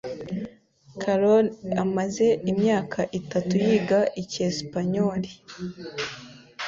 Carol amaze imyaka itatu yiga icyesipanyoli.